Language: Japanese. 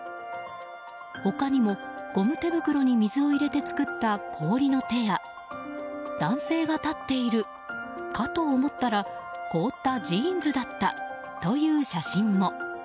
他にもゴム手袋に水を入れて作った氷の手や男性が立っているかと思ったら凍ったジーンズだったという写真も。